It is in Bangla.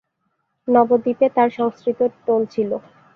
নবদ্বীপে তার সংস্কৃত টোল ছিলো।